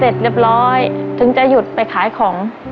ชั้นจึงจะหยุดไปขายของ